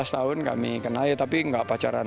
tiga belas tahun kami kenal tapi tidak pacaran